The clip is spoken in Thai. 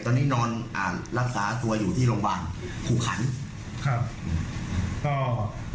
ตอนนี้นอนอ่านรักษาตัวอยู่ที่โรงพยาบาลภูขันครับก็